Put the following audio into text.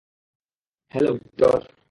Hello, Victor?